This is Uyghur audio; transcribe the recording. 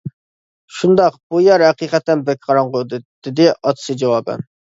-شۇنداق، بۇ يەر ھەقىقەتەن بەك قاراڭغۇ، -دېدى ئاتىسى جاۋابەن.